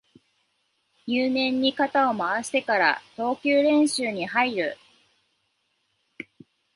入念に肩を回してから投球練習に入る